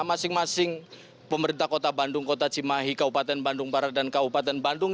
masing masing pemerintah kota bandung kota cimahi kabupaten bandung barat dan kabupaten bandung